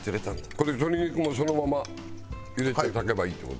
これ鶏肉もそのまま入れて炊けばいいって事？